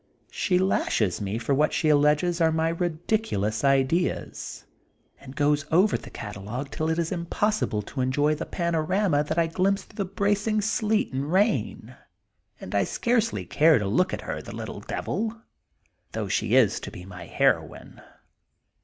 She lashes me for what she alleges are my ridiculous ideas, and goes over the catalogue till it is impossible to enjoy the panorama that I glimpse through the bracing sleet and rain, and I scarcely care to look at her, the little devil, — though she is to be my heroine.